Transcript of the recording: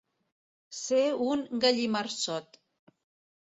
Ser un gallimarsot.